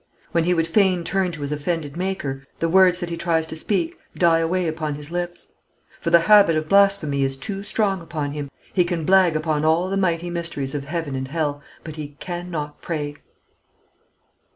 When he would fain turn to his offended Maker, the words that he tries to speak die away upon his lips; for the habit of blasphemy is too strong upon him; he can blague upon all the mighty mysteries of heaven and hell, but he cannot pray.